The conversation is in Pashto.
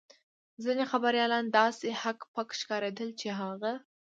ځینې خبریالان داسې هک پک ښکارېدل چې هغه.